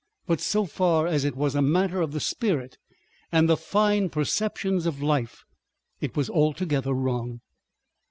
But so far as it was a matter of the spirit and the fine perceptions of life, it was altogether wrong.